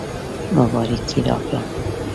مبارکي راکړه.